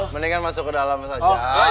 mendingan masuk ke dalam saja